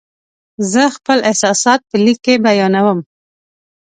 زه خپل احساسات په لیک کې بیانوم.